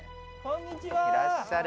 こんにちは。